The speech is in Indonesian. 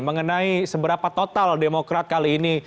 mengenai seberapa total demokrat kali ini